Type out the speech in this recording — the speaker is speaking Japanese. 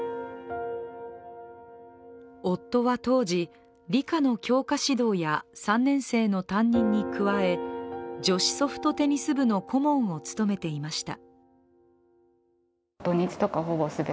夫は当時、理科の教科指導や３年生の担任に加え女子ソフトテニス部の顧問を務めていました。